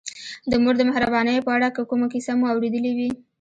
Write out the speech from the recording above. د مور د مهربانیو په اړه که کومه کیسه مو اورېدلې وي.